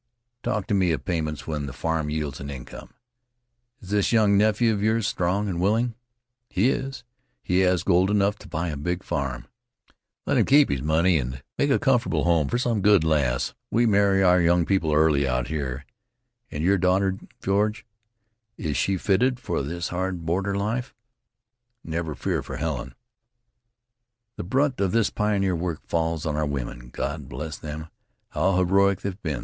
"Talk to me of payment when the farm yields an income. Is this young nephew of yours strong and willing?" "He is, and has gold enough to buy a big farm." "Let him keep his money, and make a comfortable home for some good lass. We marry our young people early out here. And your daughter, George, is she fitted for this hard border life?" "Never fear for Helen." "The brunt of this pioneer work falls on our women. God bless them, how heroic they've been!